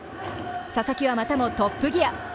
佐々木はまたもトップギア。